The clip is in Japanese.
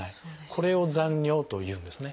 これを残尿というんですね。